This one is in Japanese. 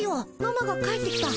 ママが帰ってきた。